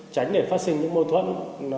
tránh để phát sinh những mâu thuẫn